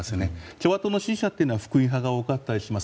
共和党の支持者は福音派が多かったりします。